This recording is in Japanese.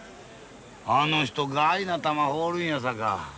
あの人がいな球放るんやさか。